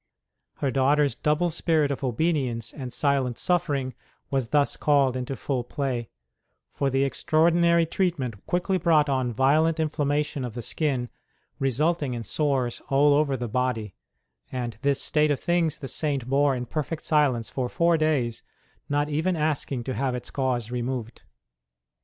Her daughter s double spirit of obedience and silent suffering was thus called into full play ; for the extraordinary treatment quickly brought on violent inflammation of the skin, resulting in sores all over the body; and this state of things the Saint bore in perfect silence for four days, not even asking to have its cause removed.